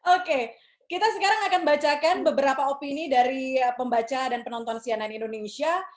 oke kita sekarang akan bacakan beberapa opini dari pembaca dan penonton cnn indonesia